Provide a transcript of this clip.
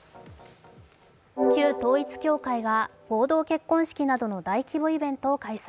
旧統一教会が合同結婚式などの大規模なイベントを開催。